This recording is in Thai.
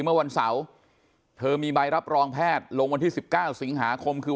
เมื่อวันเสาร์เธอมีใบรับรองแพทย์ลงวันที่๑๙สิงหาคมคือ